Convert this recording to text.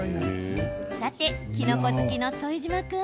さて、きのこ好きの副島君